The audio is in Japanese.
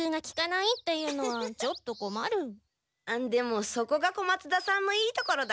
でもそこが小松田さんのいいところだから。